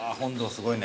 すごいね。